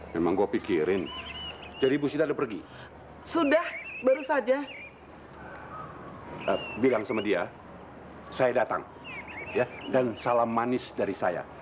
sampai jumpa di video selanjutnya